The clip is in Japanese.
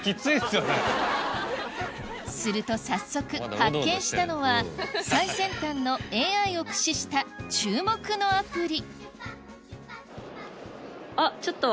すると早速発見したのは最先端のＡＩを駆使した注目のアプリ